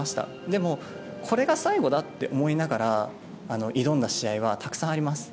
でも、これが最後だって思いながら挑んだ試合は、たくさんあります。